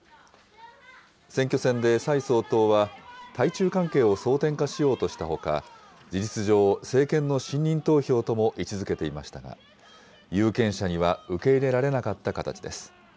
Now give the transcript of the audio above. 選挙戦で蔡総統は、対中関係を争点化しようとしたほか、事実上、政権の信任投票とも位置づけていましたが、有権者には受け入れられなかった形です。